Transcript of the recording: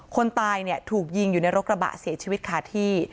คนตายเนี่ยถูกยิงอยู่ในรถกระบะเสียชีวิตขาดที่